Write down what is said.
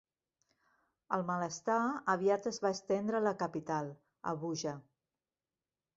El malestar aviat es va estendre a la capital, Abuja.